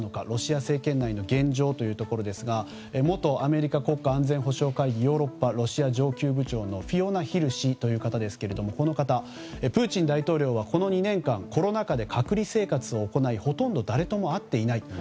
ロシア政権内の現状というところですが元アメリカ国家安全保障会議ヨーロッパロシア上級部長のフィオナ・ヒル氏という方ですがプーチン大統領はこの２年間コロナ禍で隔離生活を行いほとんど誰とも会っていない。